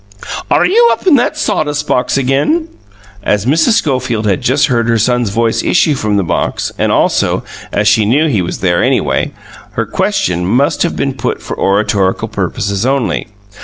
"Are you up in that sawdust box again?" As Mrs. Schofield had just heard her son's voice issue from the box, and also, as she knew he was there anyhow, her question must have been put for oratorical purposes only.